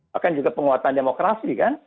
bahkan juga penguatan demokrasi kan